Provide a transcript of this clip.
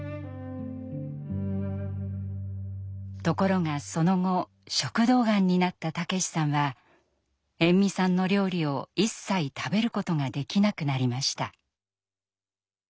ところがその後食道がんになった武さんは延味さんの料理を一切食べることができなくなりました。